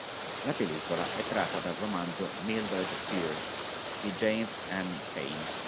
La pellicola è tratta dal romanzo "Mildred Pierce" di James M. Cain.